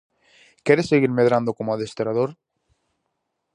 Queres seguir medrando como adestrador?